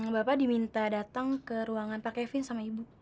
bapak diminta datang ke ruangan pak kevin sama ibu